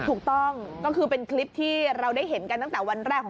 ถูกต้องก็คือเป็นคลิปที่เราได้เห็นกันตั้งแต่วันแรกของ